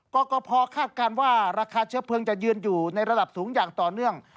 กรกภคาดการณ์ว่าราคาเชื้อเพลิงจะยืนอยู่ในระดับสูงอย่างต่อเนื่อง